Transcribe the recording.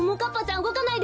うごかないで！